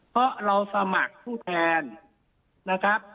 เพราะเราสมัครผู้แทน